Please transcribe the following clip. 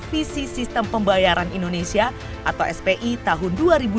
visi sistem pembayaran indonesia tahun dua ribu dua puluh lima